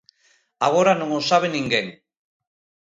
Agora non o sabe ninguén.